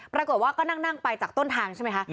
ปรากฏว่าก็นั่งไปจากต้นทางใช่ไหมคะ